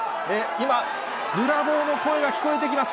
今、ブラボーの声が聞こえてきます。